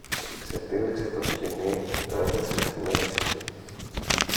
Ξετύλιξε το σκοινί, το έδεσε στη μέση του